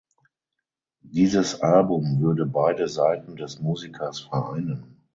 Dieses Album würde beide Seiten des Musikers vereinen.